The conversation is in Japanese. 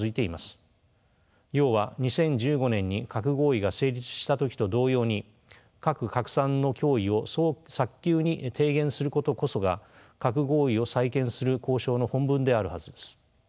要は２０１５年に核合意が成立した時と同様に核拡散の脅威を早急に低減することこそが核合意を再建する交渉の本分であるはずです。